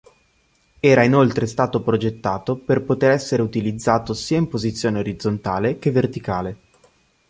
Era inoltre stato progettato per poter essere utilizzato sia in posizione orizzontale che verticale.